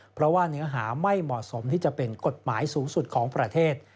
เพราะว่าเนื้อหาไม่เหมาะสมที่จะเป็นกฎหมายสูงสุดของประเทศ